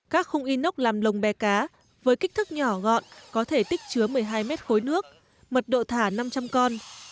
các khung inox làm lồng bè cá với kích thước nhỏ gọn có thể tích chứa một mươi hai mét khối nước mật độ thả năm trăm linh con